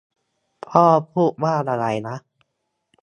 พ่อพูดว่าอะไรนะ